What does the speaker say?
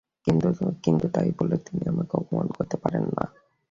কিন্তু তাই বলে তিনি আমাকে অপমান করতে পারেন না।